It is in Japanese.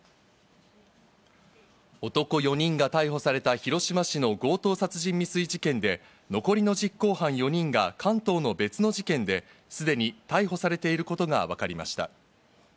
男４人が逮捕された広島市の強盗殺人未遂事件で、残りの実行犯４人が関東の別の事件で、すでに逮捕されていること